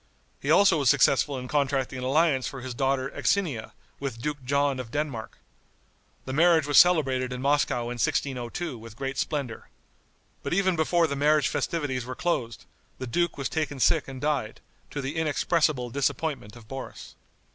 He also was successful in contracting an alliance for his daughter Axinia, with Duke John of Denmark. The marriage was celebrated in Moscow in 1602 with great splendor. But even before the marriage festivities were closed, the duke was taken sick and died, to the inexpressible disappointment of Boris.